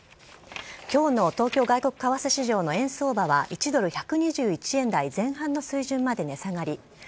きょうの東京外国為替市場の円相場は、１ドル１２１円台前半の水準まで値下がり。